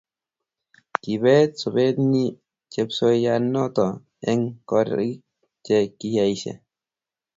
kibeet sobetnyi chepsoyanoto eng korik che kinyaishe